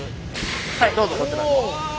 はいどうぞこちら。